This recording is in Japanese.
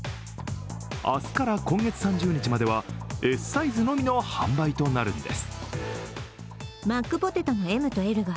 明日から今月３０日にまではＳサイズのみの販売となるんです。